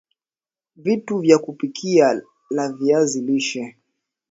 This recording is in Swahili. vitu vya kupikia la viazi lishe